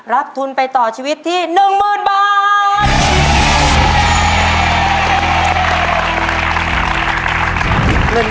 รับทุนไปต่อชีวิตที่๑๐๐๐บาท